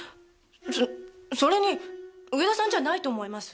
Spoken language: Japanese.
そそれに上田さんじゃないと思います。